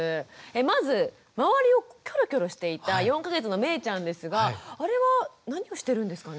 まず周りをキョロキョロしていた４か月のめいちゃんですがあれは何をしてるんですかね？